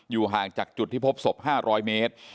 ห่างจากจุดที่พบศพ๕๐๐เมตร